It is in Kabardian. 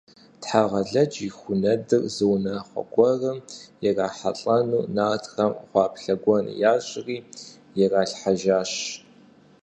Тхьэгъэлэдж и ху нэдыр зы унагъуэ гуэрым ирахьэлӀэну, нартхэм гъуаплъэ гуэн ящӀри иралъхьэжащ.